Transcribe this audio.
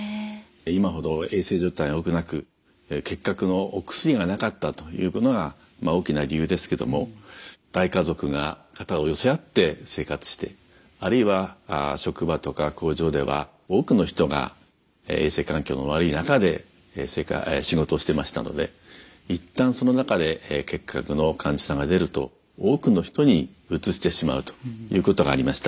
今ほど衛生状態がよくなく結核のお薬がなかったということがまあ大きな理由ですけども大家族が肩を寄せ合って生活してあるいは職場とか工場では多くの人が衛生環境の悪い中で仕事をしてましたので一旦その中で結核の患者さんが出ると多くの人にうつしてしまうということがありました。